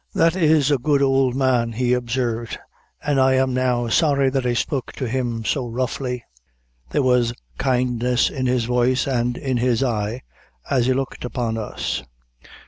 "That is a good ould man," he observed, "and I am now sorry that I spoke to him so roughly there was kindness in his voice and in his eye as he looked upon us."